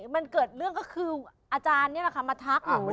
มันเกิดเรื่องก็คืออาจารย์นี่แหละค่ะมาทักหนู